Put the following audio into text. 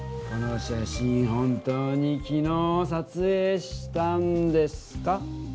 この写真本当にきのうさつえいしたんですか？